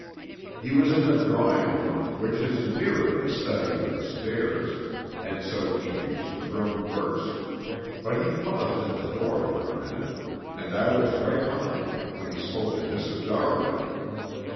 "He was in the drawing room, which is nearer the study than the stairs, and so he reached the room first, but he paused at the door for a minute and I was right behind him when he spoke to Mrs. Darwin."